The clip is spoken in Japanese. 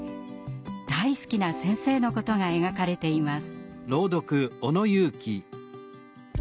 大好きな先生のことが描かれています。